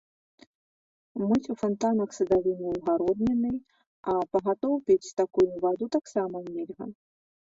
Мыць у фантанах садавіну і гародніны, а пагатоў піць такую ваду таксама нельга.